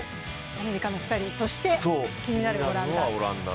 アメリカの２人、気になるオランダ。